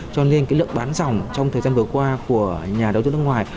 cho nên lượng bán dòng trong thời gian vừa qua của nhà đầu tư nước ngoài